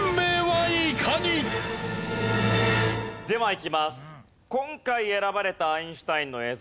ではいきます。